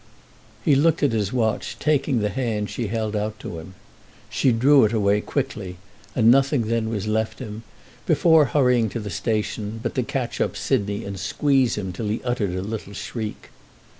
He looked at his watch, taking the hand she held out to him. She drew it away quickly, and nothing then was left him, before hurrying to the station, but to catch up Sidney and squeeze him till he uttered a little shriek.